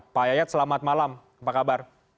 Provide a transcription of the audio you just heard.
pak yayat selamat malam apa kabar